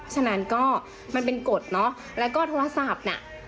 ฉะนั้นก็มันเป็นกฎเนอะแล้วก็โทรศัพท์น่ะ